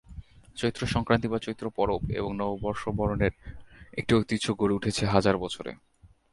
চৈত্রসংক্রান্তি বা চৈত্রপরব এবং নববর্ষ বরণের একটি ঐতিহ্য গড়ে উঠেছে হাজার বছরে।